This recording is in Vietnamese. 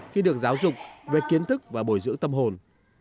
khi được giáo dục về kiến thức và bồi dưỡng tâm hồn